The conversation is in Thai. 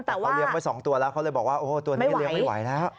แต่เขาเลี้ยงไว้๒ตัวแล้วเขาเลยบอกว่าโอ้ตัวนี้เลี้ยงไม่ไหวแล้ว